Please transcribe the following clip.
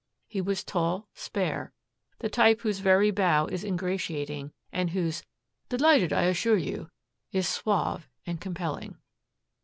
He was tall, spare, the type whose very bow is ingratiating and whose "delighted, I assure you" is suave and compelling.